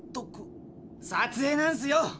撮影なんですよ